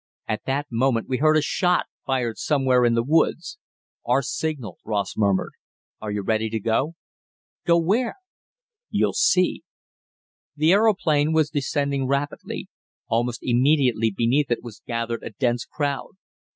At that moment we heard a shot, fired somewhere in the woods. "Our signal," Ross murmured. "Are you ready to go?" "Go where?" "You'll see." The aeroplane was descending rapidly. Almost immediately beneath it was gathered a dense crowd.